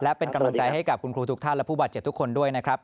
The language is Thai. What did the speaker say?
และเป็นกำลังใจให้กับคุณครูทุกท่านและผู้บาดเจ็บทุกคนด้วยนะครับ